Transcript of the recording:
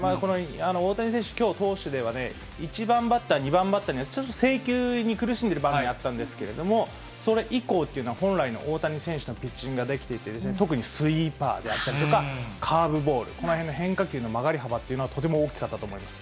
大谷選手、きょう、投手では１番バッター、２番バッターにはちょっと制球に苦しんでる場面あったんですけれども、それ以降っていうのは、本来の大谷選手のピッチングできていて、特にスイーパーであったりとか、カーブボール、このへんの変化球の曲がり幅っていうのはとても大きかったと思います。